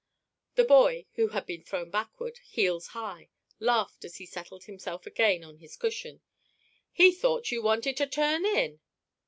The boy, who had been thrown backward, heels high, laughed as he settled himself again on his cushion: "He thought you wanted to turn in."